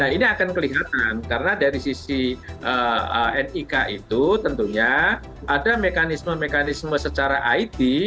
ini akan kelihatan karena dari sisi nik itu tentunya ada mekanisme mekanisme secara it